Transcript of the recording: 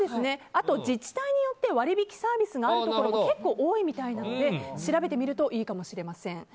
あと、自治体によって割引サービスがあるところも結構多いみたいなので調べてみるといいかもしれません。